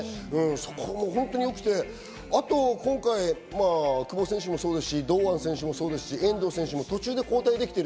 そこもよくて、あと今回、久保選手もそうですし、堂安選手もそうですし、遠藤選手も途中で交代できている。